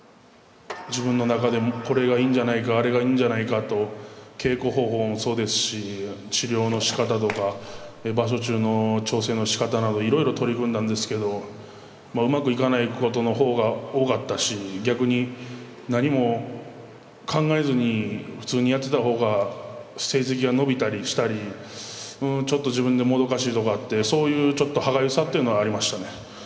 自分の中でこれがいいんじゃないかあれがいいんじゃないかと稽古方法もそうですし治療のしかたとか場所中の調整のしかたなどいろいろ取り組んだんですけどうまくいかないことのほうが多かったし逆に何も考えずに普通にやってたほうが成績が伸びたりしたりちょっと自分でもどかしいとこあってそういうちょっと歯がゆさっていうのはありましたね。